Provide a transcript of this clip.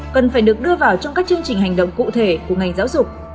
cần phải được đưa vào trong các chương trình hành động cụ thể của ngành giáo dục